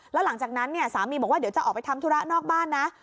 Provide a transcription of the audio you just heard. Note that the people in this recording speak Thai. แล้วหลังจากนั้นเนี่ยสามีบอกว่าเดี๋ยวจะออกไปทำธุระนอกบ้านนะ